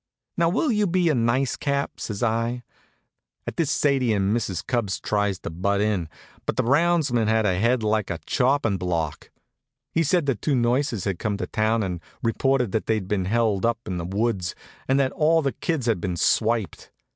"Now will you be nice, Cap?" says I. At this Sadie and Mrs. Cubbs tries to butt in, but that roundsman had a head like a choppin' block. He said the two nurses had come to town and reported that they'd been held up in the woods and that all the kids had been swiped.